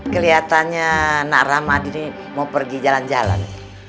kelihatannya nak ramadini mau pergi jalan jalan